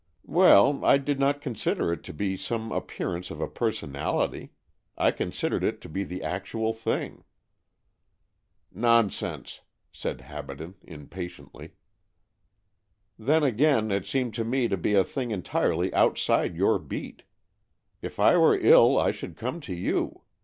" Well, I did not consider it to be some appearance of a personality. I considered it to be the actual thing." " Nonsense," said Habaden impatiently. " Then again, it seemed to me to be a thing entirely outside your beat. If I were ill, I should come to you.